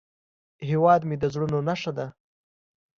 هیواد مې د زړونو نخښه ده